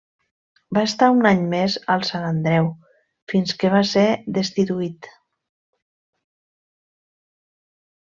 Va estar un any més al Sant Andreu, fins que va ser destituït.